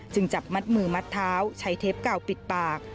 จับมัดมือมัดเท้าใช้เทปเก่าปิดปาก